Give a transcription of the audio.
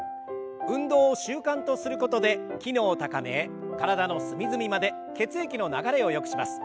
運動を習慣とすることで機能を高め体の隅々まで血液の流れをよくします。